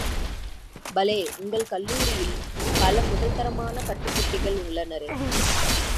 பலே, உங்கள் கல்லூரியில், பல, முதல்தரமான கற்றுக் குட்டிகள் உள்ளனரே!